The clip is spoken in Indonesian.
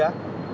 jarak jauh ya